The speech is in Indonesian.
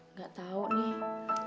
nggak tahu nih